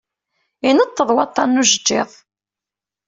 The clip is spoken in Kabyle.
Ineṭṭeḍ waṭṭan n ujeǧǧiḍ.